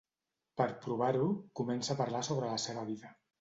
Per provar-ho, comença a parlar sobre la seva vida.